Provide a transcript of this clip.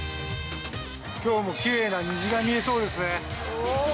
きょうもきれいな虹が見えそうですね。